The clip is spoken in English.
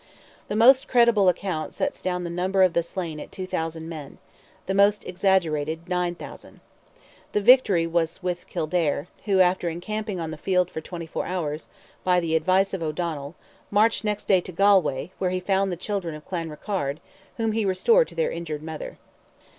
The most credible account sets down the number of the slain at 2,000 men—the most exaggerated at 9,000. The victory was with Kildare, who, after encamping on the field for twenty four hours, by the advice of O'Donnell, marched next day to Galway, where he found the children of Clanrickarde, whom he restored to their injured mother.